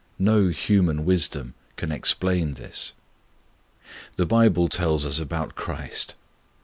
No human wisdom can explain this. The Bible tells us about Christ.